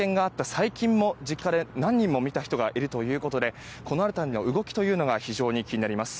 最近も、実家で何人も見た人がいるということでこの辺りの動きというのが非常に気になります。